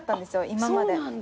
今まで。